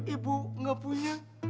ibu gak punya